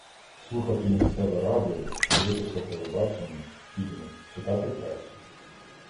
Слухати місцеве радіо, дивитися телебачення, фільми, читати пресу